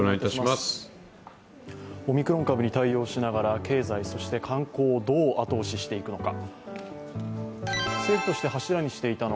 オミクロン株に対応しながら経済、そして観光をどう後押ししていくのか。